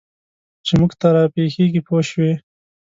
چې موږ ته را پېښېږي پوه شوې!.